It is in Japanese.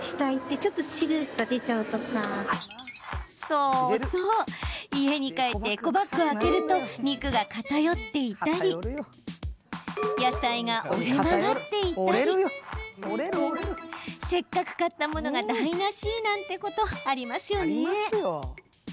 そうそう、家に帰ってエコバッグを開けると肉が片寄っていたり野菜が折れ曲がっていたりせっかく買ったものが台なしなんてことありますよね。